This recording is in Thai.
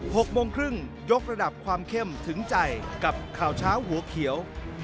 หกโมงครึ่งยกระดับความเข้มถึงใจกับข่าวเช้าหัวเขียว